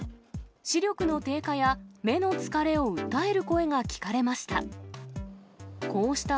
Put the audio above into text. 視力の低下や目の疲れを訴える声が聞かれました。